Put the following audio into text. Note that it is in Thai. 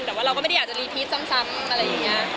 แต่ว่าเราก็ไม่ได้อยากจะรีพีชซ้ำอะไรอย่างนี้